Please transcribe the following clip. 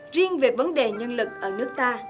riêng về vấn đề nhân lực ở nước ta